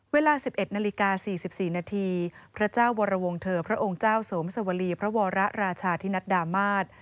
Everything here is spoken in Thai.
เวลาสิบเอ็ดนาฬิกาสี่สิบสี่นาทีพระเจ้าวรวงเถอร์พระองค์เจ้าสมสวรีพระวรรราชที่นัดดามาศ